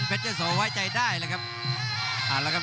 เพชรเจ้าโสไว้ใจได้เลยครับ